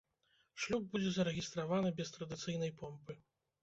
Шлюб будзе зарэгістраваны без традыцыйнай помпы.